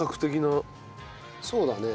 そうだね。